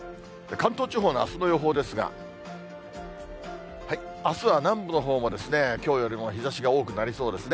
関東地方のあすの予報ですが、あすは南部のほうもきょうよりも日ざしが多くなりそうですね。